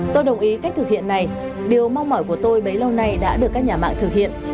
tôi đồng ý cách thực hiện này điều mong mỏi của tôi bấy lâu nay đã được các nhà mạng thực hiện